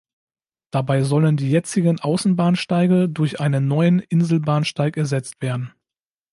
Dabei sollen die jetzigen Außenbahnsteige durch einen neuen Inselbahnsteig ersetzt werden.